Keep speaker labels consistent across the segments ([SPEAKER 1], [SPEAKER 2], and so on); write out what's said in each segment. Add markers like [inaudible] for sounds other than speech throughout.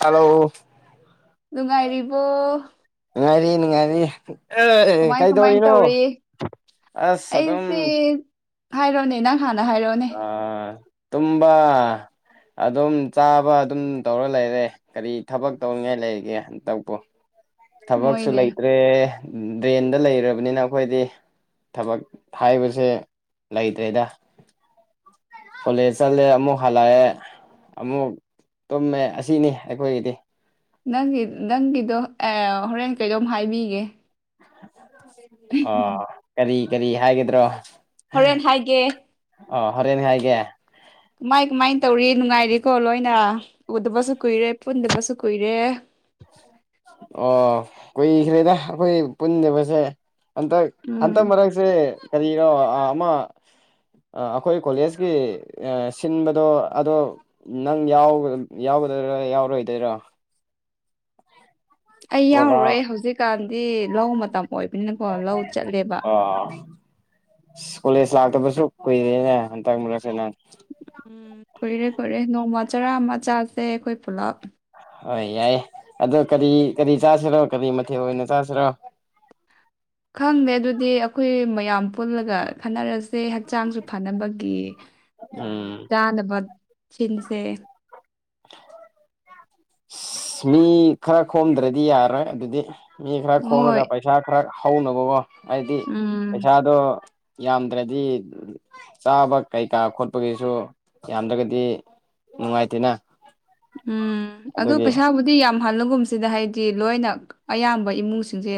[SPEAKER 1] Hello
[SPEAKER 2] ꯅꯨꯡꯉꯥꯏꯔꯤꯕꯣ
[SPEAKER 1] ꯅꯨꯡꯉꯥꯏꯔꯤ ꯅꯨꯡꯉꯥꯏꯔꯤ ꯑꯦ
[SPEAKER 2] ꯀꯃꯥꯏ ꯀꯃꯥꯏ
[SPEAKER 1] ꯀꯩꯗꯧꯔꯤꯅꯣ
[SPEAKER 2] ꯇꯧꯔꯤ
[SPEAKER 1] ꯑꯁ ꯑꯗꯨꯝ
[SPEAKER 2] ꯑꯩꯁꯦ ꯍꯥꯏꯔꯣꯅꯦ ꯅꯪ ꯍꯥꯟꯅ ꯍꯥꯏꯔꯛꯑꯣꯅꯦ
[SPEAKER 1] ꯑꯥ ꯇꯨꯝꯕ ꯑꯗꯨꯝ ꯆꯥꯕ ꯑꯗꯨꯝ ꯇꯧꯔ ꯂꯩꯔꯦ ꯀꯔꯤ ꯊꯕꯛ ꯇꯧꯅꯤꯡꯉꯥꯏ ꯂꯩꯔꯤꯒꯦ ꯍꯟꯇꯛꯄꯨ ꯊꯕꯛꯁꯨ
[SPEAKER 2] ꯃꯣꯏꯅꯦ
[SPEAKER 1] ꯂꯩꯇ꯭ꯔꯦ ꯗ꯭ꯔꯦꯟꯗ ꯂꯩꯔꯕꯅꯤꯅ ꯑꯩꯈꯣꯏꯗꯤ ꯊꯕꯛ ꯍꯥꯏꯕꯁꯦ ꯂꯩꯇ꯭ꯔꯦꯗ ꯀꯣꯂꯦꯖ ꯆꯠꯂꯦ ꯑꯃꯨꯛ ꯍꯜꯂꯛꯑꯦ ꯑꯃꯨꯛ ꯇꯨꯝꯃꯦ ꯑꯁꯤꯅꯤ ꯑꯩꯈꯣꯏꯒꯤꯗꯤ
[SPEAKER 2] ꯅꯪꯒꯤ ꯅꯪꯒꯤꯗꯣ ꯍꯣꯔꯦꯟ ꯀꯩꯗꯣꯝ ꯍꯥꯏꯕꯤꯒꯦ
[SPEAKER 1] ꯑ ꯀꯔꯤ ꯀꯔꯤ ꯍꯥꯏꯒꯗ꯭ꯔꯣ
[SPEAKER 2] ꯍꯣꯔꯦꯟ ꯍꯥꯏꯒꯦ
[SPEAKER 1] ꯑꯣ ꯍꯣꯔꯦꯟ ꯍꯥꯏꯒꯦ
[SPEAKER 2] ꯀꯃꯥꯏ ꯀꯃꯥꯏꯅ ꯇꯧꯔꯤ ꯅꯨꯡꯉꯥꯏꯔꯤꯀꯣ ꯂꯣꯏꯅ ꯎꯗꯕꯁꯨ ꯀꯨꯏꯔꯦ ꯄꯨꯟꯗꯕꯁꯨ ꯀꯨꯏꯔꯦ
[SPEAKER 1] ꯑꯣ ꯀꯨꯏꯈ꯭ꯔꯦꯗ ꯑꯩꯈꯣꯏ ꯄꯨꯟꯗꯕꯁꯦ ꯍꯟꯇꯛ
[SPEAKER 2] ꯎꯝ
[SPEAKER 1] ꯍꯟꯇꯛ ꯃꯔꯛꯁꯦ ꯀꯔꯤꯅꯣ ꯑꯃ ꯑꯩꯈꯣꯏ ꯀꯣꯂꯦꯖꯀꯤ ꯁꯤꯟꯕꯗꯣ ꯑꯗꯣ ꯅꯪ ꯌꯥꯎꯒꯗꯣꯏꯔ ꯌꯥꯎꯔꯣꯏꯗꯣꯏꯔꯥ
[SPEAKER 2] ꯑꯩ
[SPEAKER 1] ꯄ꯭ꯔꯣꯒ꯭ꯔꯥꯝ
[SPEAKER 2] ꯌꯥꯎꯔꯨꯔꯣꯏ꫰ꯍꯧꯖꯤꯛꯀꯥꯟꯗꯤ ꯂꯧ ꯃꯇꯝ ꯑꯣꯏꯕꯅꯤꯅꯀꯣ ꯂꯧ ꯆꯠꯂꯦꯕ
[SPEAKER 1] ꯑ ꯀꯣꯂꯦꯖ ꯂꯥꯛꯇꯕꯁꯨ ꯀꯨꯏꯔꯦꯅꯦ ꯍꯟꯇꯛ ꯃꯔꯛꯁꯦ ꯅꯒ
[SPEAKER 2] ꯎꯝ ꯀꯨꯏꯔꯦ ꯀꯨꯏꯔꯦ ꯅꯣꯡꯃ ꯆꯔꯥ ꯃ ꯆꯥꯁꯦ ꯑꯩꯈꯣꯏ ꯄꯨꯂꯞ
[SPEAKER 1] ꯍꯣꯏ ꯌꯥꯏ ꯑꯗꯣ ꯀꯔꯤ ꯀꯔꯤ ꯆꯥꯁꯤꯔꯣ ꯀꯔꯤ ꯃꯊꯦꯜ ꯑꯣꯏꯅ ꯆꯥꯁꯤꯔꯣ
[SPEAKER 2] ꯈꯪꯗꯦ ꯑꯗꯨꯗꯤ ꯑꯩꯈꯣꯏ ꯃꯌꯥꯝ ꯄꯨꯜꯂꯒ ꯈꯟꯅꯔꯁꯦ ꯍꯛꯆꯥꯡꯁꯨ ꯐꯅꯕꯒꯤ ꯎꯝ ꯆꯥꯅꯕ ꯁꯤꯟꯁꯦ
[SPEAKER 1] ꯏꯁ ꯃꯤ ꯈꯔ ꯈꯣꯝꯗ꯭ꯔꯗꯤ ꯌꯥꯔꯣꯏ ꯑꯗꯨꯗꯤ ꯃꯤ ꯈꯔ ꯈꯣꯝꯂꯒ
[SPEAKER 2] ꯍꯣꯏ
[SPEAKER 1] ꯄꯩꯁꯥ ꯈꯔ ꯍꯧꯅꯕꯀꯣ ꯍꯥꯏꯗꯤ
[SPEAKER 2] ꯎꯝ
[SPEAKER 1] ꯄꯩꯁꯥꯗꯣ ꯌꯥꯝꯗ꯭ꯔꯗꯤ ꯆꯥꯕ ꯀꯩꯀꯥ ꯈꯣꯠꯄꯒꯤꯁꯨ ꯌꯥꯝꯗ꯭ꯔꯒꯗꯤ ꯅꯨꯡꯉꯥꯏꯇꯦꯅ
[SPEAKER 2] ꯎꯝ ꯑꯗꯣ
[SPEAKER 1] ꯑꯗꯨꯒꯤ
[SPEAKER 2] ꯄꯩꯁꯥꯕꯨꯗꯤ ꯌꯥꯝ ꯍꯜꯂꯒꯨꯝꯁꯤꯗ ꯍꯥꯏꯗꯤ ꯑꯌꯥꯝꯕ ꯏꯃꯨꯡꯁꯤꯡꯁꯦ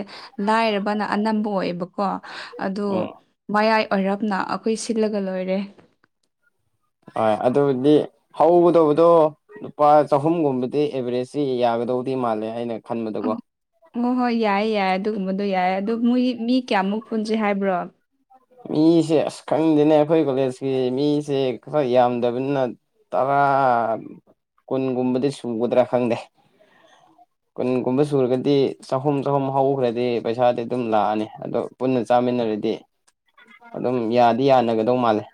[SPEAKER 2] ꯂꯥꯏꯔꯕꯅ ꯑꯅꯝꯕ ꯑꯣꯏꯌꯦꯕꯀꯣ ꯑꯗꯨ
[SPEAKER 1] ꯎꯝ
[SPEAKER 2] ꯃꯌꯥꯏ ꯑꯣꯏꯔꯞꯅ ꯑꯩꯈꯣꯏ ꯁꯤꯜꯂꯒ ꯂꯣꯏꯔꯦ
[SPEAKER 1] ꯍꯣꯏ ꯑꯗꯨꯗꯤ ꯍꯧꯒꯗꯧꯕꯗꯣ ꯂꯨꯄꯥ ꯆꯍꯨꯝꯒꯨꯝꯕꯗꯤ ꯑꯦꯚꯔꯦꯖꯁꯤ ꯌꯥꯒꯗꯧꯗꯤ ꯃꯥꯜꯂꯦ ꯑꯩꯅ ꯈꯟꯕꯗꯀꯣ
[SPEAKER 2] ꯍꯣꯏ ꯍꯣꯏ ꯌꯥꯏꯌꯦ ꯌꯥꯏ ꯑꯗꯨꯒꯨꯝꯕꯗꯣ ꯌꯥꯏ ꯑꯗꯨ ꯃꯣꯏ ꯃꯤ ꯀꯌꯥꯃꯨꯛ ꯄꯨꯟꯁꯤ ꯍꯥꯏꯕ꯭ꯔꯣ
[SPEAKER 1] ꯃꯤꯁꯦ ꯑꯁ ꯈꯪꯗꯦꯅꯦ ꯑꯩꯈꯣꯏ ꯀꯣꯂꯦꯖꯀꯤ ꯃꯤꯁꯦ ꯈꯔ ꯌꯥꯝꯗꯕꯅꯤꯅ ꯇꯔꯥ ꯀꯨꯟꯒꯨꯝꯕꯗꯤ ꯁꯨꯒꯗ꯭ꯔꯥ ꯈꯪꯗꯦ ꯀꯨꯟꯒꯨꯝꯕ ꯁꯨꯔꯒꯗꯤ ꯆꯍꯨꯝ ꯆꯍꯨꯝ ꯍꯧꯈ꯭ꯔꯗꯤ ꯄꯩꯁꯥꯗꯤ ꯑꯗꯨꯝ ꯂꯥꯛꯑꯅꯤ ꯑꯗꯣ ꯄꯨꯟꯅ ꯆꯥꯃꯤꯟꯅꯔꯗꯤ ꯑꯗꯨꯝ ꯌꯥꯗꯤ ꯌꯥꯅꯒꯗꯧ ꯃꯥꯜꯂꯦ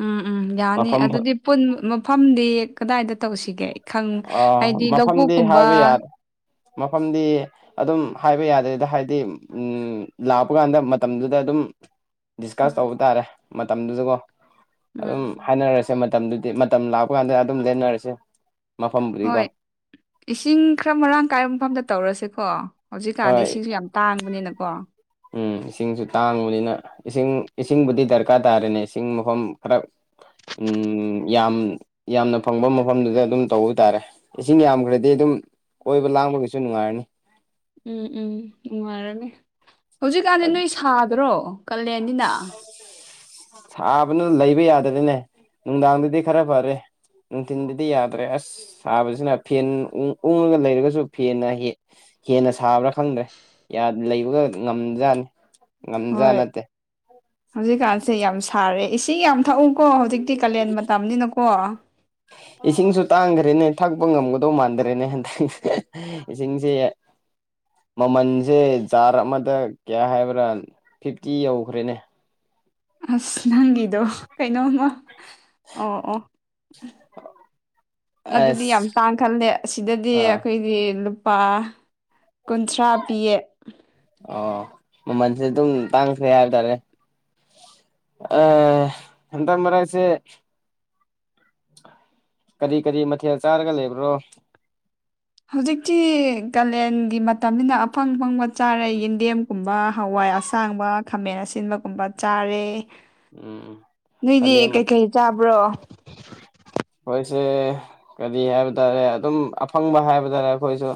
[SPEAKER 2] ꯎꯝ ꯎꯝ ꯌꯥꯅꯤ
[SPEAKER 1] ꯃꯐꯝ
[SPEAKER 2] ꯑꯗꯨꯗꯤ ꯄꯨꯟ ꯃꯐꯝꯗꯤ ꯀꯗꯥꯏꯗ ꯇꯧꯁꯤꯒꯦ ꯈꯪ
[SPEAKER 1] ꯑꯥ
[SPEAKER 2] ꯍꯥꯏꯗꯤ
[SPEAKER 1] ꯃꯐꯝꯗꯤ
[SPEAKER 2] ꯂꯧꯕꯨꯛꯀꯨꯝꯕ
[SPEAKER 1] ꯍꯥꯏꯕ ꯌꯥꯗꯦ ꯃꯐꯝꯗꯤ ꯑꯗꯨꯝ ꯍꯥꯏꯕ ꯌꯥꯗꯦꯗ ꯍꯥꯏꯗꯤ ꯎꯝ ꯂꯥꯛꯄ ꯀꯥꯟꯗ ꯃꯇꯝꯗꯨꯗ ꯑꯗꯨꯝ ꯗꯤꯁꯀ
[SPEAKER 2] ꯎꯝ
[SPEAKER 1] ꯇꯧꯕ ꯇꯥꯔꯦ ꯃꯇꯝꯗꯨꯗꯀꯣ ꯑꯗꯨꯝ
[SPEAKER 2] ꯎꯝ
[SPEAKER 1] ꯍꯥꯏꯅꯔꯁꯦ ꯃꯇꯝꯗꯨꯗꯤ ꯃꯇꯝ ꯂꯥꯛꯄ ꯀꯥꯟꯗ ꯑꯗꯨꯝ ꯂꯦꯟꯅꯔꯁꯦ ꯃꯐꯝꯕꯨꯗꯤꯀꯣ
[SPEAKER 2] ꯍꯣꯏ ꯏꯁꯤꯡ ꯈꯔ ꯃꯔꯥꯡ ꯀꯥꯏꯕ ꯃꯐꯝꯗ ꯇꯧꯔꯁꯦꯀꯣ ꯍꯧꯖꯤꯛꯀꯥꯟꯗꯤ
[SPEAKER 1] ꯍꯣꯏ
[SPEAKER 2] ꯏꯁꯤꯡꯁꯨ ꯌꯥꯝ ꯇꯥꯡꯕꯅꯤꯅꯀꯣ
[SPEAKER 1] ꯎꯝ ꯏꯁꯤꯡꯁꯨ ꯇꯥꯡꯕꯅꯤꯅ ꯏꯁꯤꯡ ꯏꯁꯤꯡꯕꯨꯗꯤ ꯗꯔꯀꯥꯔ ꯇꯥꯗꯦꯅꯦ ꯏꯁꯤꯡ ꯃꯐꯝ ꯈꯔ ꯎꯝ ꯌꯥꯝ ꯌꯥꯝꯅ ꯐꯪꯕ ꯃꯐꯝꯗꯨꯗ ꯑꯗꯨꯝ ꯇꯧꯕ ꯇꯥꯔꯦ ꯏꯁꯤꯡ ꯌꯥꯝꯈ꯭ꯔꯗꯤ ꯑꯗꯨꯝ ꯀꫭꯏꯕ ꯂꯥꯡꯕꯒꯤꯁꯨ ꯅꯨꯡꯉꯥꯏꯔꯅꯤ
[SPEAKER 2] ꯎꯝ ꯎꯝ ꯅꯨꯡꯉꯥꯏꯔꯅꯤ ꯍꯧꯖꯤꯛꯀꯥꯟꯗꯤ ꯅꯣꯏ ꯁꯥꯗ꯭ꯔꯣ ꯀꯂꯦꯟꯅꯤꯅ
[SPEAKER 1] ꯍ [inaudible] ꯁꯥꯕꯅ ꯂꯩꯕ ꯌꯥꯗ꯭ꯔꯦꯅꯦ ꯅꯨꯡꯗꯥꯡꯗꯗꯤ ꯈ꯭ꯔ ꯐ꯭ꯔꯦ ꯅꯨꯡꯊꯤꯟꯗꯗꯤ ꯌꯥꯗ꯭ꯔꯦ ꯑꯁ ꯁꯥꯕꯁꯤꯅ ꯐꯦꯟ ꯎꯡ ꯎꯡꯉꯒ ꯂꯩꯔꯒꯁꯨ ꯐꯦꯟꯅ ꯍꯦꯛ ꯍꯦꯟꯅ ꯁꯥꯕ꯭ꯔꯥ ꯈꯪꯗ꯭ꯔꯦ ꯌꯥ ꯂꯩꯕꯒ ꯉꯝꯖꯥꯠꯅꯤ ꯉꯝꯖꯥꯠ
[SPEAKER 2] ꯍꯣꯏ
[SPEAKER 1] ꯅꯠꯇꯦ
[SPEAKER 2] ꯍꯧꯖꯤꯛꯀꯥꯟꯁꯦ ꯌꯥꯝ ꯁꯥꯔꯦ ꯏꯁꯤꯡ ꯌꯥꯝ ꯊꯛꯎꯀꯣ ꯍꯧꯖꯤꯛ ꯇꯤ ꯀꯥꯂꯦꯟ ꯃꯇꯝꯅꯤꯅꯀꯣ
[SPEAKER 1] ꯏꯁꯤꯡꯁꯨ ꯇꯥꯡꯈ꯭ꯔꯦꯅꯦ ꯊꯛꯄ ꯉꯝꯒꯗꯧ ꯃꯥꯟꯗ꯭ꯔꯦꯅꯦ ꯍꯟꯗꯛ ꯍꯦ ꯍꯦ ꯏꯁꯤꯡꯁꯦ ꯃꯃꯟꯁꯦ ꯖꯥꯔ ꯑꯃꯗ ꯀꯌꯥ ꯍꯥꯏꯕ꯭ꯔꯥ ꯐꯤꯐꯇꯤ ꯌꯧꯈ꯭ꯔꯦꯅꯦ
[SPEAKER 2] ꯑꯁ ꯅꯪꯒꯤꯗꯣ ꯀꯩꯅꯣꯃ ꯑꯣ ꯑꯣ [unintelligible] ꯑꯗꯨꯗꯤ ꯌꯥꯝ
[SPEAKER 1] ꯑꯁ
[SPEAKER 2] ꯇꯥꯡ ꯈꯠꯂꯦ ꯑꯁꯤꯗꯗꯤ
[SPEAKER 1] ꯑꯥ
[SPEAKER 2] ꯑꯩꯈꯣꯏꯗꯤ ꯂꯨꯄꯥ ꯀꯨꯟꯊ꯭ꯔꯥ ꯄꯤꯌꯦ
[SPEAKER 1] ꯑꯣ ꯃꯃꯜꯁꯦ ꯑꯗꯨꯝ ꯇꯥꯡꯈ꯭ꯔꯦ ꯍꯥꯏꯕ ꯇꯥꯔꯦ ꯑꯥ ꯍꯟꯗꯛ ꯃꯔꯛꯁꯦ ꯀ꯭ꯔꯤ ꯀ꯭ꯔꯤ ꯃꯊꯦꯜ ꯆꯥꯔꯒ ꯂꯩꯕ꯭ꯔꯣ
[SPEAKER 2] ꯍꯧꯖꯤꯛꯇꯤ ꯀꯥꯂꯦꯟꯒꯤ ꯃꯇꯝꯅꯤꯅ ꯑꯐꯪ ꯑꯐꯪꯕ ꯆꯥꯔꯦ ꯌꯦꯟꯗꯦꯝ ꯒꯨꯝꯕ ꯍꯋꯥꯏ ꯑꯁꯥꯡꯕ ꯈꯥꯃꯦꯟ ꯑꯁꯤꯟꯕꯒꯨꯝꯕ ꯆꯥꯔꯦ
[SPEAKER 1] ꯎꯝ
[SPEAKER 2] ꯅꯣꯏꯗꯤ
[SPEAKER 1] ꯀꯥꯂꯦꯟ
[SPEAKER 2] ꯀꯩꯀꯩ ꯆꯥꯕ꯭ꯔꯣ
[SPEAKER 1] [inaudible] ꯑꯩꯈꯣꯏꯁꯦ ꯀꯔꯤ ꯍꯥꯏꯕ ꯇꯥꯔꯦ ꯑꯗꯨꯝ ꯑꯐꯪꯕ ꯍꯥꯏꯕ ꯇꯥꯔꯦ ꯑꯩꯈꯣꯏꯁꯨ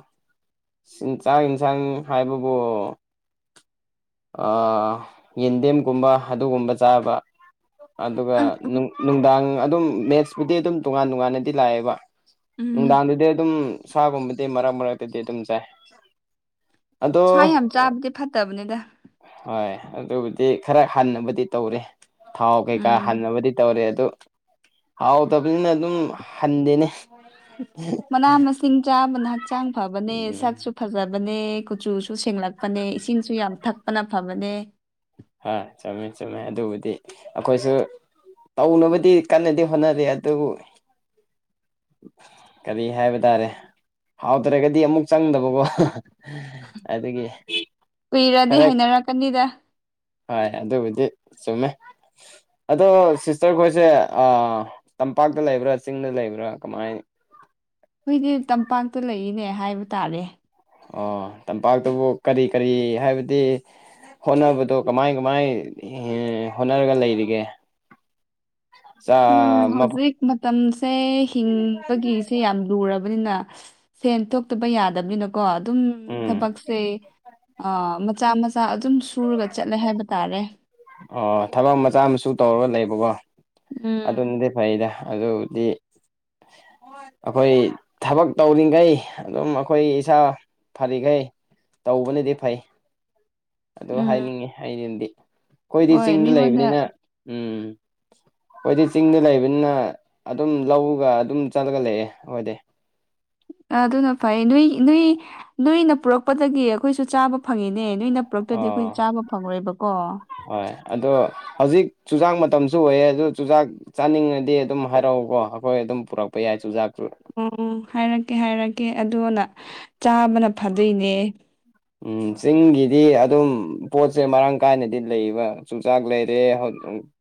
[SPEAKER 1] ꯆꯤꯟ ꯆꯥꯛ ꯌꯦꯟꯁꯥꯡ ꯍꯥꯏꯕꯕꯨ ꯌꯦꯟꯗꯦꯝꯒꯨꯝꯕ ꯑꯗꯨꯒꯨꯝꯕ ꯆꯥꯕ ꯑꯗꯨꯒ ꯅꯨꯡꯗꯥꯡ ꯑꯗꯨꯝ ꯃꯦꯛꯠꯁꯄꯨꯗꯤ ꯑꯗꯨꯝ ꯇꯣꯉꯥꯟ ꯇꯣꯉꯥꯟꯅꯗꯤ ꯂꯥꯛꯑꯦꯕ
[SPEAKER 2] ꯎꯝ
[SPEAKER 1] ꯅꯨꯡꯗꯥꯡꯗꯗꯤ ꯑꯗꯨꯝ ꯁꯥꯒꯨꯝꯕꯗꯤ ꯃꯔꯛ ꯃꯔꯛꯇꯗꯤ ꯑꯗꯨꯝ ꯆꯥꯏ
[SPEAKER 2] ꯁꯥ
[SPEAKER 1] ꯑꯗꯣ
[SPEAKER 2] ꯌꯥꯝ ꯆꯥꯕꯗꯤ ꯐꯠꯇꯕꯅꯤꯗ
[SPEAKER 1] ꯍꯣꯏ ꯑꯗꯨꯕꯨꯗꯤ ꯈꯔ ꯍꯟꯅꯕꯨꯗꯤ ꯇꯧꯔꯦ ꯊꯥꯎ ꯀꯩꯀꯥ
[SPEAKER 2] ꯎꯝ
[SPEAKER 1] ꯍꯟꯅꯕꯗꯤ ꯇꯧꯔꯦ ꯑꯗꯨ ꯍꯥꯎꯇꯕꯅꯤꯅ ꯑꯗꯨꯝ ꯍꯟꯗꯦꯅꯦ
[SPEAKER 2] ꯃꯅꯥ ꯃꯁꯤꯡ ꯆꯥꯕꯅ ꯍꯛꯆꯥꯡ ꯐꯕꯅꯦ
[SPEAKER 1] ꯎꯝ
[SPEAKER 2] ꯁꯛꯁꯨ ꯐꯖꯕ ꯐꯕꯅꯦ ꯀꯨꯆꯨꯁꯨ ꯁꯦꯡꯂꯛꯄꯅꯦ ꯏꯁꯤꯡꯁꯨ ꯌꯥꯝ ꯊꯛꯄꯅ ꯐꯕꯅꯦ
[SPEAKER 1] ꯍ ꯆꯨꯝꯃꯦ ꯆꯨꯝꯃꯦ ꯑꯗꯨꯕꯨꯗꯤ ꯑꯩꯈꯣꯏꯁꯨ ꯇꯧꯅꯕꯗꯤ ꯀꯟꯅꯗꯤ ꯍꯣꯠꯅꯔꯤ ꯑꯗꯨꯕꯨ ꯀꯔꯤ ꯍꯥꯏꯕ ꯇꯥꯔꯦ ꯍꯥꯎꯗ꯭ꯔꯒꯗꯤ ꯑꯃꯨꯛ ꯆꯪꯗꯕꯀꯣ ꯑꯗꯒꯤ ꯐꯔ
[SPEAKER 2] ꯅꯩꯔꯛꯀꯅꯤꯗ
[SPEAKER 1] ꯍꯣꯏ ꯑꯗꯨꯕꯨꯗꯤ ꯆꯨꯝꯃꯦ ꯑꯗꯣ ꯁꯤꯁꯇꯔ ꯈꯣꯏꯁꯦ ꯇꯝꯄꯥꯛꯇ ꯂꯩꯕ꯭ꯔꯥ ꯆꯤꯡꯗ ꯂꯩꯕ꯭ꯔꯥ ꯀꯃꯥꯏ
[SPEAKER 2] ꯑꯩꯈꯣꯏꯗꯤ ꯇꯝꯄꯥꯛꯇ ꯂꯩꯔꯤꯅꯦ ꯍꯥꯏꯕ ꯇꯥꯔꯦ
[SPEAKER 1] ꯑꯣ ꯇꯝꯄꯥꯛꯇꯕꯨ ꯀꯔꯤ ꯀꯔꯤ ꯍꯥꯏꯕꯗꯤ ꯍꯣꯠꯅꯕꯗꯣ ꯀꯃꯥꯏ ꯀꯃꯥꯏ ꯍꯣꯠꯅꯔꯒ ꯂꯩꯔꯤꯒꯦ
[SPEAKER 2] ꯎꯝ
[SPEAKER 1] [unintelligible]
[SPEAKER 2] ꯍꯧꯖꯤꯛ ꯃꯇꯝꯁꯦ ꯍꯤꯡꯕꯒꯤꯁꯦ ꯌꯥꯝ ꯂꯨꯔꯕꯅꯤꯅ ꯁꯦꯟ ꯊꯣꯛꯇꯕ ꯌꯥꯗꯕꯅꯤꯅꯀꯣ ꯑꯗꯨꯝ
[SPEAKER 1] ꯎꯝ
[SPEAKER 2] ꯊꯕꯛꯁꯦ ꯃꯆꯥ ꯃꯆꯥ ꯑꯗꯨꯝ ꯁꯨꯔꯒ ꯆꯠꯂꯦ ꯍꯥꯏꯕ ꯇꯥꯔꯦ
[SPEAKER 1] ꯑꯣ ꯊꯕꯛ ꯃꯆꯥ ꯃꯁꯨ ꯇꯧꯔꯒ ꯂꯩꯕꯀꯣ
[SPEAKER 2] ꯎꯝ
[SPEAKER 1] ꯑꯗꯨꯅꯗꯤ ꯐꯩꯗ ꯑꯗꯨ ꯗꯤ ꯑꯩꯈꯣꯏ ꯊꯕꯛ ꯇꯧꯔꯤꯈꯩ ꯑꯗꯨꯝ ꯑꯩꯈꯣꯏ ꯏꯁꯥ ꯐꯔꯤꯈꯩ ꯇꯧꯕꯅꯗꯤ ꯐꯩ ꯑꯗꯨ
[SPEAKER 2] ꯎꯝ
[SPEAKER 1] ꯍꯥꯏꯅꯤꯡꯉꯤ ꯑꯩꯅꯗꯤ ꯑꯩꯈꯣꯏꯗꯤ
[SPEAKER 2] ꯍꯣꯏ
[SPEAKER 1] ꯆꯤꯡꯗ
[SPEAKER 2] ꯃꯤꯉꯣꯟꯗ
[SPEAKER 1] ꯂꯩꯕꯅꯤꯅ ꯎꯝ ꯍꯣꯏꯗꯤ ꯆꯤꯡꯗ ꯂꯩꯕꯅꯤꯅ ꯑꯗꯨꯝ ꯂꯧꯒ ꯑꯗꯨꯝ ꯆꯠꯂꯒ ꯂꯩꯑꯦ ꯍꯣꯏꯗ
[SPEAKER 2] ꯑꯗꯨꯅ ꯐꯩ ꯅꯣꯏ ꯅꯣꯏ ꯅꯣꯏꯅ ꯄꯨꯔꯛꯄꯗꯒꯤ ꯑꯩꯈꯣꯏꯁꯨ ꯆꯥꯕ ꯐꯪꯉꯤꯅꯦ ꯅꯣꯏꯅ ꯄꯨ꯭ꯔꯛꯇꯗꯤ
[SPEAKER 1] ꯑꯥ
[SPEAKER 2] ꯑꯩꯈꯣꯏ ꯆꯥꯕ ꯐꯪꯉꯣꯏꯕꯀꯣ
[SPEAKER 1] ꯍꯣꯏ ꯑꯗꯣ ꯍꯧꯖꯤꯛ ꯆꯨꯖꯥꯛ ꯃꯇꯝꯁꯨ ꯑꯣꯏꯌꯦ ꯑꯗꯨ ꯆꯨꯖꯥꯛ ꯆꯥꯅꯤꯡꯉꯗꯤ ꯑꯗꯨꯝ ꯍꯥꯏꯔꯛꯎꯀꯣ ꯑꯩꯈꯣꯏ ꯑꯗꯨꯝ ꯄꯨꯔꯛꯄ ꯌꯥꯏ ꯆꯨꯖꯥꯛꯁꯨ
[SPEAKER 2] ꯑꯣ ꯍꯥꯏꯔꯛꯀꯦ ꯍꯥꯏꯔꯛꯀꯦ ꯑꯗꯨꯅ ꯆꯥꯕꯅ ꯐꯗꯣꯏꯅꯦ
[SPEAKER 1] ꯎꯝ ꯆꯤꯡꯒꯤꯗꯤ ꯑꯗꯨꯝ ꯄꯣꯠꯁꯦ ꯃꯔꯥꯡ ꯀꯥꯏꯅꯗꯤ ꯂꯩꯕ ꯆꯨꯆꯥꯛ ꯂꯩꯔꯦ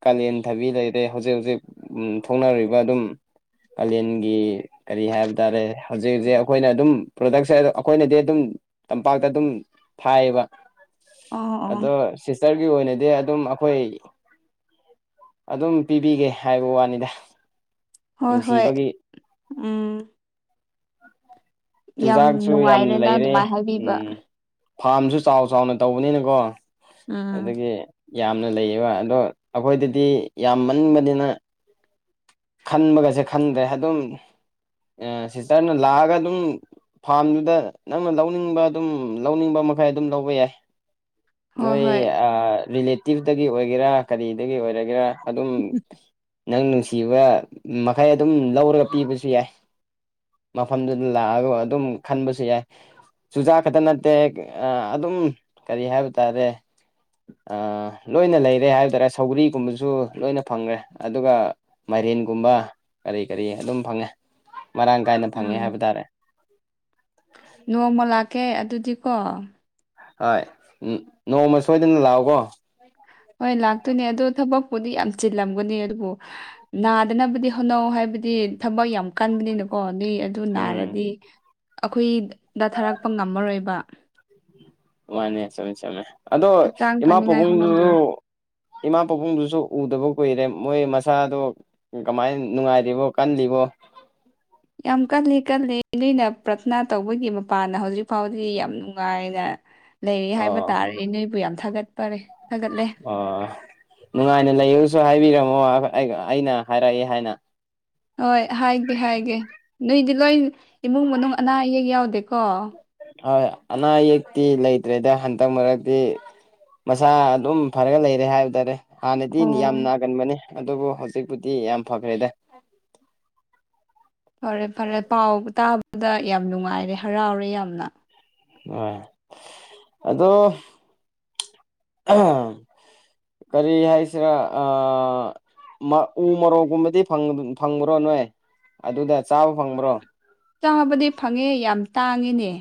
[SPEAKER 1] ꯀꯥꯂꯦꯟ ꯊꯕꯤ ꯂꯩꯔꯦ ꯍꯧꯖꯤꯛ ꯍꯧꯖꯤꯛ ꯊꯣꯛꯅꯔꯤꯕ ꯑꯗꯨꯝ ꯀꯥꯂꯦꯟꯒꯤ ꯀꯔꯤ ꯍꯥꯏꯕ ꯇꯥꯔꯦ ꯍꯧꯖꯤꯛ ꯍꯧꯖꯤꯛ ꯑꯩꯈꯣꯏꯅ ꯑꯗꯨꯝ ꯄ꯭ꯔꯣꯗꯛꯁꯦ ꯑꯩꯈꯣꯏꯅꯗꯤ ꯑꯗꯨꯝ ꯇꯝꯄꯥꯛ ꯑꯗꯨꯝ ꯐꯥꯏꯌꯦꯕ
[SPEAKER 2] ꯑꯣ ꯑꯣ
[SPEAKER 1] ꯑꯗꯣ ꯁꯤꯁꯇꯔꯒꯤ ꯑꯣꯏꯅꯗꯤ ꯑꯗꯨꯝ ꯑꯩꯈꯣꯏ ꯑꯗꯨꯝ ꯄꯤꯕꯤꯒꯦ ꯍꯥꯏꯕ ꯋꯥꯅꯤꯗ
[SPEAKER 2] ꯍꯣꯏ ꯍꯣꯏ
[SPEAKER 1] ꯅꯨꯡꯁꯤꯕꯒꯤ
[SPEAKER 2] ꯎꯝ ꯌꯥꯝ
[SPEAKER 1] ꯆꯨꯖꯥꯛꯁꯨ ꯌꯥꯝꯅ
[SPEAKER 2] ꯅꯨꯡꯉꯥꯏꯔꯦ ꯅꯪ
[SPEAKER 1] ꯂꯩꯔꯦ
[SPEAKER 2] ꯑꯗꯨꯃꯥꯏꯅ ꯍꯥꯏꯕꯤꯕ
[SPEAKER 1] ꯎꯝ ꯐꯥꯔꯝꯁꯨ ꯆꯥꯎ ꯆꯥꯎꯅ ꯇꯧꯕꯅꯤꯅꯀꯣ
[SPEAKER 2] ꯎꯝ
[SPEAKER 1] ꯑꯗꯨꯒꯤ ꯌꯥꯝꯅ ꯂꯩꯌꯦꯕ ꯑꯗꯣ ꯑꯩꯈꯣꯏꯗꯗꯤ ꯌꯥꯝ ꯃꯟꯕꯅꯤꯅ ꯈꯟꯕꯒꯁꯦ ꯈꯟꯗ꯭ꯔꯦ ꯑꯗꯨꯝ ꯁꯤꯁꯇꯔꯅ ꯂꯥꯛꯑꯒ ꯑꯗꯨꯝ ꯐꯥꯔꯝꯗꯨꯗ ꯅꯪꯅ ꯂꯧꯅꯤꯡꯕ ꯑꯗꯨꯝ ꯂꯧꯅꯤꯡꯕ ꯃꯈꯩ ꯑꯗꯨꯝ ꯂꯧꯕ ꯌꯥꯏ
[SPEAKER 2] ꯍꯣꯏ
[SPEAKER 1] ꯅꯣꯏ
[SPEAKER 2] ꯍꯣꯏ
[SPEAKER 1] ꯔꯤꯂꯦꯇꯤꯞꯇꯒꯤ ꯑꯣꯏꯒꯦꯔꯥ ꯀꯔꯤꯗꯒꯤ ꯑꯣꯏꯔꯒꯦꯔꯥ ꯑꯗꯨꯝ ꯅꯪ ꯅꯨꯡꯁꯤꯕ ꯃꯈꯩ ꯑꯗꯨꯝ ꯂꯧꯔꯒ ꯄꯤꯕꯁꯨ ꯌꯥꯏ ꯃꯐꯝꯗꯨꯗ ꯂꯥꯛꯑꯒ ꯑꯗꯨꯝ ꯈꯟꯕꯁꯨ ꯌꯥꯏ ꯆꯨꯖꯥꯛ ꯈꯛꯇ ꯅꯠꯇꯦ ꯑꯗꯨꯝ ꯀꯔꯤ ꯍꯥꯏꯕ ꯇꯥꯔꯦ ꯑ ꯂꯣꯏꯅ ꯂꯩꯔꯦ ꯍꯥꯏꯕ ꯇꯔꯦ ꯁꯧꯒ꯭ꯔꯤꯒꯨꯝꯕꯁꯨ ꯂꯣꯏꯅ ꯐꯪꯈ꯭ꯔꯦ ꯑꯗꯨꯒ ꯃꯥꯏꯔꯦꯟꯒꯨꯝꯕ ꯀꯔꯤ-ꯀꯔꯤ ꯑꯗꯨꯝ ꯐꯪꯉꯦ ꯃꯔꯥꯡ ꯀꯥꯏꯅ ꯐꯪꯉꯦ
[SPEAKER 2] ꯎꯝ
[SPEAKER 1] ꯍꯥꯏꯕ ꯇꯥꯔꯦ
[SPEAKER 2] ꯅꯣꯡꯃ ꯂꯥꯛꯀꯦ ꯑꯗꯨꯗꯤꯀꯣ
[SPEAKER 1] ꯍꯣꯏ, ꯅꯣꯡꯃ ꯁꯣꯏꯗꯅ ꯂꯥꯛꯎꯀꯣ
[SPEAKER 2] ꯍꯣꯏ ꯂꯥꯛꯇꯣꯏꯅꯦ ꯑꯗꯨ ꯊꯕꯛꯄꯨꯗꯤ ꯌꯥꯝ ꯆꯤꯜꯂꯝꯒꯅꯤ ꯑꯗꯨꯕꯨ ꯅꯥꯗꯅꯕꯗꯤ ꯍꯣꯟꯅꯧ ꯍꯥꯏꯕꯗꯤ ꯊꯕꯛ ꯌꯥꯝ ꯀꯟꯒꯅꯤꯅ ꯀꯣ ꯅꯣꯏ ꯑꯗꯨ
[SPEAKER 1] ꯎꯝ
[SPEAKER 2] ꯅꯥꯔꯗꯤ ꯑꯩꯈꯣꯏꯗ ꯊꯥꯔꯛꯄ ꯉꯝꯃꯔꯣꯏꯕ
[SPEAKER 1] ꯃꯥꯅꯦ ꯆꯨꯝꯃꯤ ꯆꯨꯝꯃꯤ, ꯑꯗꯣ
[SPEAKER 2] ꯍꯛꯆꯥꯡ
[SPEAKER 1] ꯏꯃꯥ
[SPEAKER 2] ꯐꯅꯤꯡꯉꯥꯏ
[SPEAKER 1] ꯄꯥꯕꯨꯡꯗꯨ
[SPEAKER 2] ꯍꯣꯠꯅꯕꯤꯌꯨ
[SPEAKER 1] ꯏꯃꯥ ꯄꯥꯕꯨꯡꯗꯨꯁꯨ ꯎꯗꯕ ꯀꯨꯏꯔꯦ ꯃꯣꯏ ꯃꯁꯥꯗꯣ ꯀꯃꯥꯏꯅ ꯅꯨꯡꯉꯥꯏꯔꯤꯕꯣ ꯀꯜꯂꯤꯕꯣ
[SPEAKER 2] ꯌꯥꯝ ꯀꯜꯂꯤ ꯀꯜꯂꯤ ꯅꯣꯏꯅ ꯄ꯭ꯔꯊꯅꯥ ꯇꯧꯕꯒꯤ ꯃꯄꯥꯟꯅ ꯍꯧꯖꯤꯛ ꯐꯥꯎꯗꯤ ꯌꯥꯝ ꯅꯨꯡꯉꯥꯏꯅ ꯂꯩꯔꯤ ꯍꯥꯏꯕ
[SPEAKER 1] ꯑꯣ
[SPEAKER 2] ꯇꯥꯔꯦ ꯅꯣꯏꯕꯨ ꯌꯥꯝ ꯊꯥꯒꯠꯄꯔꯦ ꯊꯥꯒꯠꯂꯦ
[SPEAKER 1] ꯑꯣ ꯅꯨꯡꯉꯥꯏꯅ ꯂꯩꯌꯣꯁꯨ ꯍꯥꯏꯕꯤꯔꯝꯃꯣ ꯑꯩꯅ ꯍꯥꯏꯔꯛꯑꯦ ꯍꯥꯏꯅ
[SPEAKER 2] ꯍꯣꯏ ꯍꯥꯏꯒꯦ ꯍꯥꯏꯒꯦ ꯅꯣꯏꯗꯤ ꯂꯣꯏ ꯏꯃꯨꯡ ꯃꯅꯨꯡ ꯑꯅꯥ ꯑꯌꯦꯛ ꯌꯥꯎꯗꯦꯀꯣ
[SPEAKER 1] ꯍꯣꯏ ꯑꯅꯥ ꯑꯌꯦꯛꯇꯤ ꯂꯩꯇ꯭ꯔꯦꯗ ꯍꯟꯗꯛ ꯃꯔꯛꯇꯤ ꯃꯁꯥ ꯑꯗꯨꯝ ꯐꯔꯒ ꯂꯩꯔꯦ ꯍꯥꯏꯕ ꯇꯥꯔꯦ ꯍꯥꯟꯅꯗꯤ
[SPEAKER 2] ꯑꯣ
[SPEAKER 1] ꯌꯥꯝ ꯅꯥꯒꯟꯕꯅꯦ ꯑꯗꯨꯕꯨ ꯍꯧꯖꯤꯛꯄꯨꯗꯤ ꯌꯥꯝ ꯐꯈ꯭ꯔꯦꯗ
[SPEAKER 2] ꯐꯔꯦ ꯐꯔꯦ ꯄꯥꯎ ꯇꯥꯕꯗ ꯌꯥꯝ ꯅꯨꯡꯉꯥꯏꯔꯦ ꯍꯔꯥꯎꯔꯦ ꯌꯥꯝꯅ
[SPEAKER 1] ꯑ ꯑꯗꯣ [unintelligible] ꯀꯔꯤ ꯍꯥꯏꯁꯤꯔꯥ ꯑ ꯎ ꯃꯣꯔꯣꯛꯀꯨꯝꯕꯗꯤ ꯐꯪꯕ꯭ꯔꯣ ꯅꯣꯏ ꯑꯗꯨꯗ ꯆꯥꯕ ꯐꯪꯕ꯭ꯔꯣ
[SPEAKER 2] ꯆꯥꯕꯗꯤ ꯐꯪꯉꯦ ꯌꯥꯝ ꯇꯥꯡꯉꯤꯅꯦ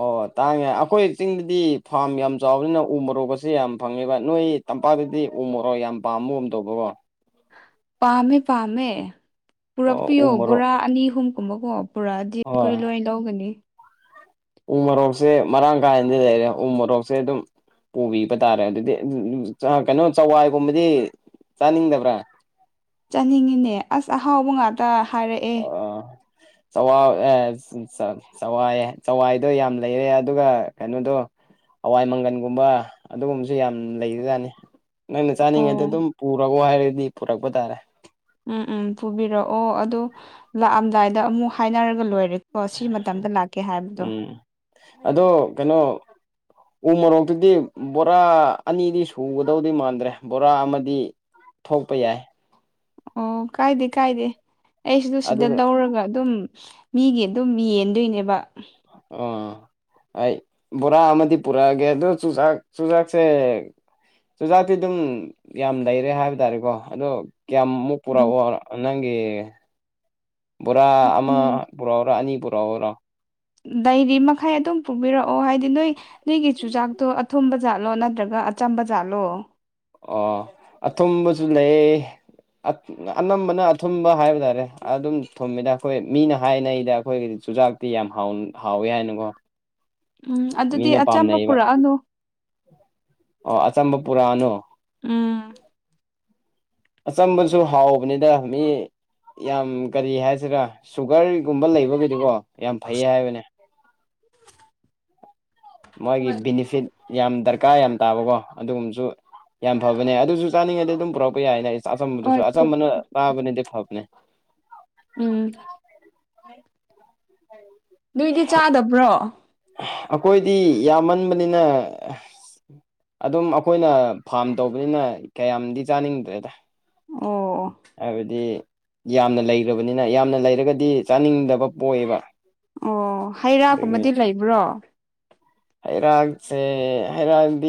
[SPEAKER 1] ꯑꯣ ꯇꯥꯡꯉꯦ, ꯑꯩꯈꯣꯏ ꯆꯤꯡꯗꯗꯤ ꯐꯥꯝ ꯌꯥꯝ ꯆꯥꯎꯕꯅꯤꯅ ꯎ ꯃꯣꯔꯣꯛꯀꯁꯦ ꯌꯥꯝ ꯐꯪꯉꯦꯕ ꯅꯣꯏ ꯇꯝꯄꯥꯛꯗꯗꯤ ꯎꯃꯣꯔꯣꯛ ꯌꯥꯝ ꯄꯥꯝꯕ ꯎꯝ ꯇꯧꯕꯣ ꯀꯣꯏꯠ
[SPEAKER 2] ꯄꯥꯝꯃꯦ-ꯄꯥꯝꯃꯦ
[SPEAKER 1] ꯑꯣ ꯎ
[SPEAKER 2] ꯄꯨꯔꯛꯄꯤꯌꯣ
[SPEAKER 1] ꯃꯣꯔꯣꯛ
[SPEAKER 2] ꯕꯣꯔꯥ ꯑꯅꯤ ꯑꯍꯨꯝꯒꯨꯝꯕꯀꯣ ꯄꯨꯔꯛꯑꯗꯤ ꯑꯩꯈꯣꯏ ꯂꯣꯏꯅ ꯂꯧꯒꯅꯤ
[SPEAKER 1] ꯎꯃꯣꯔꯣꯛꯁꯦ ꯃꯔꯥꯡ ꯀꯥꯏꯅꯗꯤ ꯂꯩꯔꯦ ꯎ ꯃꯣꯔꯣꯛꯁꯦ ꯑꯗꯨꯝ ꯄꯨꯣꯕꯤꯕ ꯇꯥꯔꯦ ꯑꯗꯨꯗꯤ ꯀꯩꯅꯣ ꯆꯋꯥꯏꯒꯨꯝꯕꯗꯤ ꯆꯥꯅꯤꯡꯗꯕ꯭ꯔꯥ
[SPEAKER 2] ꯆꯅꯤꯡꯉꯤꯅꯦ ꯑꯁ ꯑꯍꯥꯎꯕ ꯉꯥꯛꯇ ꯍꯥꯏꯔꯛꯑꯦ
[SPEAKER 1] ꯑ ꯆꯋꯥ [inaudible] ꯆꯋꯥꯏ ꯆꯋꯥꯏꯗꯣ ꯌꯥꯝ ꯂꯩꯔꯦ ꯑꯗꯨꯒ ꯀꯩꯅꯣꯗꯣ ꯍꯋꯥꯏ ꯃꯪꯒꯟꯒꯨꯝꯕ ꯑꯗꯨꯒꯨꯝꯕꯁꯨ ꯌꯥꯝ ꯂꯩꯕꯖꯥꯅꯤ ꯅꯪꯅ ꯆꯥꯅꯤꯡꯉꯗꯤ
[SPEAKER 2] ꯑꯣ
[SPEAKER 1] ꯑꯗꯨꯝ ꯄꯨꯔꯑꯣ ꯍꯥꯏꯔꯗꯤ ꯄꯨꯔꯛꯄ ꯇꯥꯔꯦ
[SPEAKER 2] ꯎꯝ ꯎꯝ ꯄꯨꯕꯤꯔꯛꯑꯣ ꯑꯗꯣ ꯂꯥꯛꯑꯝꯗꯥꯏꯗ ꯑꯃꯨꯛ ꯍꯥꯏꯅꯔꯒ ꯂꯣꯏꯔꯦ ꯑꯣ ꯁꯤ ꯃꯇꯝꯗ ꯂꯥꯛꯀꯦ ꯍꯥꯏꯕꯗꯣ
[SPEAKER 1] ꯎꯝ ꯑꯗꯣ ꯀꯩꯅꯣ ꯎ ꯃꯣꯔꯣꯛꯇꯨꯗꯤ ꯕꯣꯔꯥ ꯑꯅꯤꯗꯤ ꯁꯨꯒꯗꯧꯗꯤ ꯃꯥꯟꯗ꯭ꯔꯦ ꯕꯣꯔꯥ ꯑꯃꯗꯤ ꯊꯣꯛꯄ ꯌꯥꯏ
[SPEAKER 2] ꯑꯣ ꯀꯥꯏꯗꯦ ꯀꯥꯏꯗꯦ ꯑꯩꯖꯨ ꯁꯤꯗ
[SPEAKER 1] ꯑꯗꯨꯒ
[SPEAKER 2] ꯂꯧꯔꯒ ꯑꯗꯨꯝ ꯃꯤꯒꯤ ꯑꯗꯨꯝ ꯌꯦꯟꯗꯣꯏꯅꯦꯕ
[SPEAKER 1] ꯑꯥ ꯑꯩ ꯕꯣꯔꯥ ꯑꯃꯗꯤ ꯄꯨꯔꯛꯑꯒꯦ ꯑꯗꯨ ꯆꯨꯖꯥꯛ ꯆꯨꯖꯥꯛꯁꯦ ꯆꯨꯖꯥꯛꯇꯤ ꯑꯗꯨꯝ ꯌꯥꯝ ꯂꯩꯔꯦ ꯍꯥꯏꯕ ꯇꯥꯔꯦꯀꯣ ꯑꯗꯣ ꯀꯌꯥꯃꯨꯛ
[SPEAKER 2] ꯎꯝ
[SPEAKER 1] ꯄꯨꯔꯛꯑꯣ ꯅꯪꯒꯤ ꯕꯣꯔꯥ ꯑꯃ
[SPEAKER 2] ꯎꯝ
[SPEAKER 1] ꯄꯨꯔꯛꯎꯔꯣ ꯑꯅꯤ ꯄꯨꯔꯛꯎꯔꯣ
[SPEAKER 2] ꯗꯩꯔꯤ ꯃꯈꯩ ꯑꯗꯨꯝ ꯄꯨꯕꯤꯔꯛꯑꯣ ꯍꯥꯏꯗꯤ ꯅꯣꯏ ꯅꯣꯏꯒꯤ ꯆꯨꯖꯥꯛꯇꯣ ꯑꯊꯨꯝꯕ ꯖꯥꯠꯂꯣ ꯅꯠꯇ꯭ꯔꯒ ꯑꯆꯝꯕ ꯖꯥꯠꯂꯣ
[SPEAKER 1] ꯑꯣ ꯑꯊꯨꯝꯕꯁꯨ ꯂꯩ [inaudible] ꯑꯅꯝꯕꯅ ꯑꯊꯨꯝꯕ ꯍꯥꯏꯕ ꯇꯥꯔꯦ ꯑꯗꯨꯝ ꯊꯨꯝꯃꯤꯗ ꯑꯩꯈꯣꯏ ꯃꯤꯅ ꯍꯥꯏꯅꯩꯗ ꯑꯩꯈꯣꯏꯒꯤꯗꯤ ꯆꯨꯖꯥꯛ ꯇꯤ ꯌꯥꯝ ꯍꯥꯎꯋꯦ ꯍꯥꯏꯅꯀꯣ
[SPEAKER 2] ꯎꯝ ꯑꯗꯨꯗꯤ
[SPEAKER 1] ꯃꯤꯅ
[SPEAKER 2] ꯑꯆꯝꯕ
[SPEAKER 1] ꯄꯥꯝꯅꯩꯕ
[SPEAKER 2] ꯄꯨꯔꯛꯑꯅꯨ
[SPEAKER 1] ꯑꯣ ꯑꯆꯝꯕ ꯄꯨꯔꯥꯅꯣ
[SPEAKER 2] ꯎꯝ
[SPEAKER 1] ꯑꯆꯝꯕꯁꯨ ꯍꯥꯎꯕꯅꯤꯗ ꯃꯤ ꯌꯥꯝ ꯀꯔꯤ ꯍꯥꯏꯁꯤꯔꯥ ꯁꯨꯒꯔꯒꯨꯝꯕ ꯂꯩꯕꯒꯤꯗꯨꯀꯣ ꯌꯥꯝ ꯐꯩ ꯍꯥꯏꯕꯅꯦ
[SPEAKER 2] ꯎ
[SPEAKER 1] ꯃꯥꯒꯤ ꯕꯤꯅꯤꯐꯤꯠ꯫ ꯌꯥꯝ ꯗꯔꯀꯥꯔ ꯌꯥꯝ ꯇꯥꯕꯀꯣ ꯑꯗꯨꯒꯨꯝꯕꯁꯨ ꯌꯥꯝ ꯐꯕꯅꯦ ꯑꯗꯨꯁꯨ ꯆꯥꯅꯤꯡꯉꯗ ꯑꯗꯨꯝ ꯄꯨꯔꯛꯄ ꯌꯥꯏꯅ ꯑꯩ ꯑꯆꯝꯕꯗꯨꯁꯨ
[SPEAKER 2] ꯍꯣꯏ
[SPEAKER 1] ꯑꯆꯝꯕꯅ ꯆꯥꯕꯅꯤꯗꯤ ꯐꯥꯕꯅꯦ꯫
[SPEAKER 2] ꯎꯝ꯫ ꯅꯣꯏꯗꯤ ꯆꯥꯗꯕ꯭ꯔꯣ꯫
[SPEAKER 1] ꯑꯩꯈꯣꯏꯗꯤ ꯌꯥꯝꯃꯟꯕꯅꯤꯅ ꯑꯗꯨꯝ ꯑꯩꯈꯣꯏꯅ ꯐꯥꯝ ꯇꯧꯕꯅꯤꯅ ꯀꯌꯥꯝꯗꯤ ꯆꯥꯅꯤꯡꯗ꯭ꯔꯦꯗ꯫
[SPEAKER 2] ꯑꯣ ꯑꯣ꯫
[SPEAKER 1] ꯍꯥꯏꯕꯗꯤ ꯌꯥꯝꯅ ꯂꯩꯈ꯭ꯔꯕꯅꯤꯅ ꯌꯥꯝꯅ ꯂꯩꯔꯒꯗꯤ ꯆꯥꯅꯤꯡꯗꯕ ꯄꯣꯛꯑꯦꯕ꫰꫰
[SPEAKER 2] ꯑꯣ ꯍꯩꯔꯥꯒꯨꯝꯕꯗꯤ ꯂꯩꯕ꯭ꯔꯣ꯫
[SPEAKER 1] ꯍꯩꯔꯥꯡꯁꯦ ꯍꯩꯔꯥꯟꯗꯤ꯫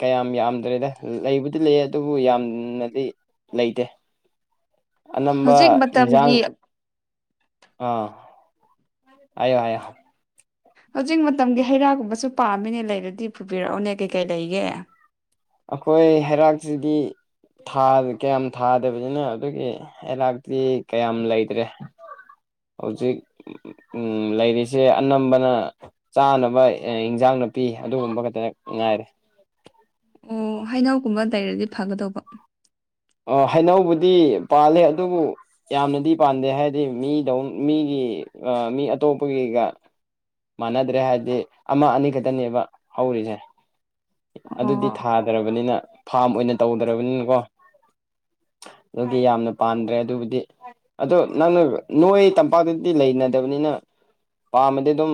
[SPEAKER 1] ꯀꯌꯥꯝ ꯌꯥꯝꯗ꯭ꯔꯦꯗ ꯂꯩꯕꯨꯗꯤ ꯂꯩ ꯑꯗꯨꯕꯨ ꯌꯥꯝꯅꯗꯤ ꯂꯩꯇꯦ꯫ ꯅꯝꯕ
[SPEAKER 2] ꯍꯧꯖꯤꯛ ꯃꯇꯝꯒꯤ
[SPEAKER 1] ꯏꯟꯖꯥꯡ꯫ ꯑꯥ ꯍꯥꯏꯌꯣ ꯍꯥꯏꯌꯣ꯫
[SPEAKER 2] ꯍꯧꯖꯤꯛ ꯃꯇꯝꯒꯤ ꯍꯩꯔꯥꯒꯨꯝꯕꯁꯨ ꯄꯥꯝꯃꯤꯅꯦ ꯂꯩꯔꯗꯤ ꯐꯨꯕꯤꯔꯛꯑꯣꯅꯦ ꯀꯩꯀꯩ ꯂꯩꯒꯦ꫰꫰
[SPEAKER 1] ꯑꯩꯈꯣꯏ ꯍꯩꯔꯥꯛꯁꯤꯗꯤ꯫ ꯊꯥ ꯀꯌꯥꯝ ꯊꯥꯗꯕꯅꯤꯅ ꯑꯗꯨꯒꯤ ꯍꯩꯔꯥꯛꯇꯤ ꯀꯌꯥꯝ ꯂꯩꯇ꯭ꯔꯦ꯫ ꯍꯧꯖꯤꯛ ꯎꯝ ꯂꯩꯔꯤꯁꯦ ꯑꯅꯝꯕꯅ ꯆꯥꯅꯕ ꯏꯟꯖꯥꯡ ꯅꯥꯄꯤ ꯑꯗꯨꯒꯨꯝꯕ ꯈꯛꯇ ꯉꯥꯏꯔꯦ꫰꫰
[SPEAKER 2] ꯑꯣ ꯍꯩꯅꯧꯒꯨꯝꯕ ꯂꯩꯔꯗꯤ ꯐꯒꯗꯧꯕ꯫
[SPEAKER 1] ꯑ ꯍꯩꯅꯧꯕꯨꯗꯤ ꯄꯥꯜꯂꯦ ꯑꯗꯨꯕꯨ ꯌꯥꯝꯅꯗꯤ ꯄꯥꯟꯗꯦ ꯍꯥꯏꯗꯤ ꯃꯤꯗꯧ ꯃꯤꯒꯤ ꯃꯤ ꯑꯇꯣꯞꯄꯒꯤꯒ꯫ ꯃꯥꯟꯅꯗ꯭ꯔꯦ ꯍꯥꯏꯗꯤ ꯑꯃ ꯑꯅꯤ ꯈꯛꯇꯅꯦꯕ ꯍꯧꯔꯤꯁꯦ
[SPEAKER 2] ꯑꯣ
[SPEAKER 1] ꯑꯗꯨꯗꯤ ꯊꯥ ꯐꯖꯔꯕꯅꯤꯅ ꯐꯥꯝ ꯑꯣꯏꯅ ꯇꯧꯗ꯭ꯔꯔꯕꯅꯤꯅꯀꯣ꯫ ꯑꯗꯨꯗꯤ ꯌꯥꯝꯅ ꯄꯥꯝꯗ꯭ꯔꯦ ꯑꯗꯨꯕꯨꯗꯤ꯫ ꯑꯗꯣ ꯅꯪꯅ ꯅꯣꯏ ꯇꯝꯄꯥꯛꯇꯗꯤ ꯂꯩꯅꯗꯕꯅꯤꯅ ꯄꯥꯝꯃꯗꯤ ꯑꯗꯨꯝ